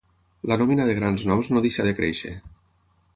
La nòmina de grans noms no deixà de créixer.